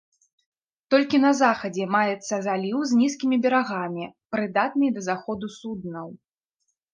Толькі на захадзе маецца заліў з нізкімі берагамі, прыдатны для заходу суднаў.